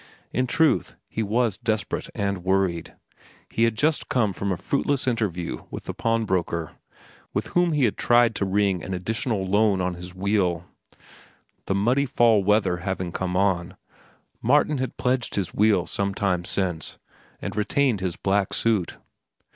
In truth, he was desperate and worried. He had just come from a fruitless interview with the pawnbroker, from whom he had tried to wring an additional loan on his wheel. The muddy fall weather having come on, Martin had pledged his wheel some time since and retained his black suit.